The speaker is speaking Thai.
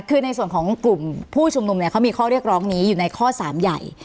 คือในส่วนของกลุ่มผู้ชุมนุมเนี่ยเขามีข้อเรียกร้องนี้อยู่ในข้อ๓ใหญ่